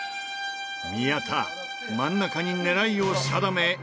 宮田真ん中に狙いを定め